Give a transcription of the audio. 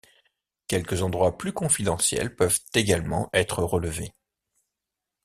Quelques endroits plus confidentiels peuvent également être relevés.